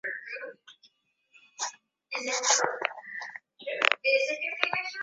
kwahiyo utatumia muda mwingi kutafuta namna ya kuweza kuwatofautisha Hakizimana na Hakizemana